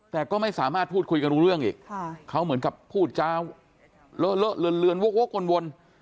แต่ก็ไม่สามารถพูดคุยกันรู้เรื่องอีกเขาเหมือนกับพูดจาเลอะเลอะเลือนวกวน